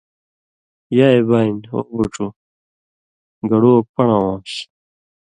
یائے بانیۡ ”او پُڇُو گڑُو اوک پن٘ڑہۡ اؤں آن٘س،